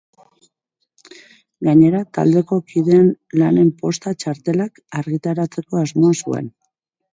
Gainera taldeko kideen lanen posta txartelak argitaratzeko asmoa zuen.